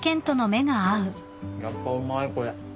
やっぱうまいこれ。